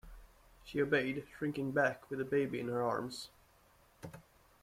She obeyed, shrinking back with the baby in her arms.